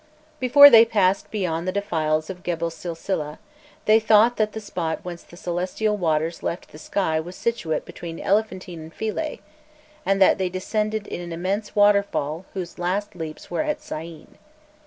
Before they passed beyond the defiles of Gebel Silsileh, they thought that the spot whence the celestial waters left the sky was situate between Elephantine and Philae, and that they descended in an immense waterfall whose last leaps were at Syene.